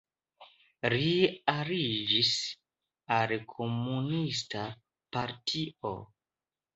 Li aliĝis al komunista partio.